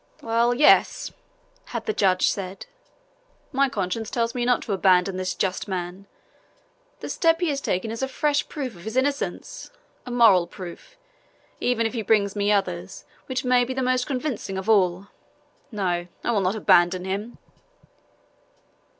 "Well, yes!" had the judge said, "my conscience tells me not to abandon this just man. The step he is taking is a fresh proof of his innocence, a moral proof, even if he brings me others, which may be the most convincing of all! No! I will not abandon him!"